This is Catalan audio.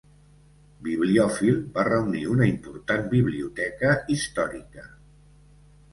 Bibliòfil, va reunir una important biblioteca històrica.